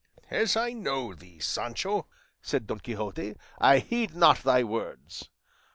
"As I know thee, Sancho," said Don Quixote, "I heed not thy words."